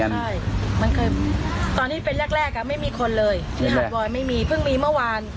มันเคยตอนที่เป็นแรกแรกอ่ะไม่มีคนเลยไม่มีไม่มีเพิ่งมีเมื่อวาน